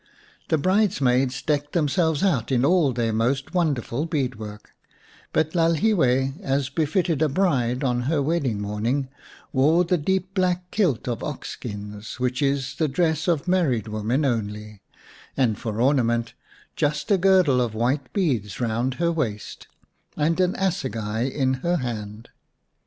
The bridesmaids decked themselves out in all their most wonderful bead work, but Lalhiwe, as befitted a bride on her wedding morning, wore the deep black kilt of ox skins which is the dress of married women only, and for ornament just a girdle of white beads round her waist and an assegai in her hand.